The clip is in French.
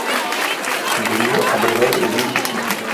Il est né à Laurel au Mississippi.